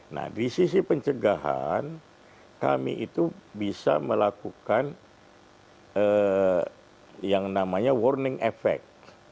nah di sisi pencegahan kami itu bisa melakukan yang namanya warning effect